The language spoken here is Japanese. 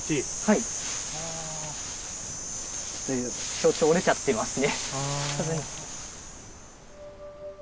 標柱折れちゃってますね。